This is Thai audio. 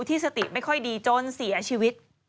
ที่สติไม่ค่อยดีจนเสียชีวิต